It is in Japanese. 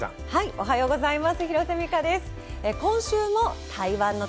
おはようございます。